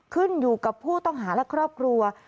ขึ้นอยู่กับผู้ต้องหาและครอบครัว